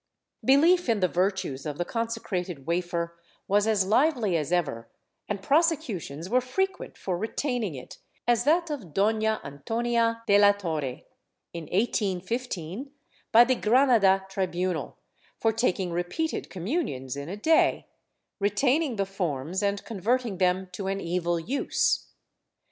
^ Belief in the virtues of the consecrated wafer was as lively as ever and prose cutions were frequent for retaining it, as that of Dona Antonia de la Torre, in 1815, by the Granada tribunal, for taking repeated communions in a day, retaining the forms and converting them to an evil use.